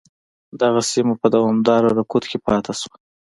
دغه سیمه په دوامداره رکود کې پاتې شوه.